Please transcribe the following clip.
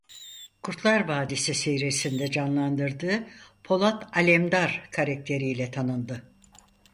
Kurtlar Vadisi serisinde canlandırdığı Polat Alemdar karakteriyle tanındı.